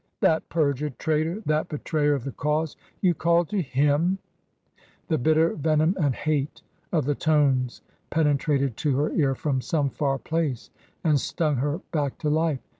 " That perjured traitor ! That betrayer of the cause ! You call to him r The bitter venom and hate of the tones penetrated to her ear from some far place and stung her back to life.